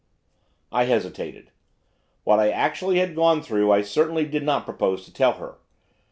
I hesitated. What I actually had gone through I certainly did not propose to tell her.